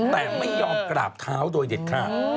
แต่ไม่ยอมกราบเท้าโดยเด็ดขาด